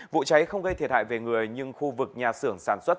vụ cháy không gây thiệt hại về người nhưng khu vực nhà xưởng sản xuất